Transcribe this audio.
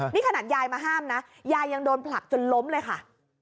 นี่ขนาดยายมาห้ามนะยายยังโดนผลักจนล้มเลยค่ะ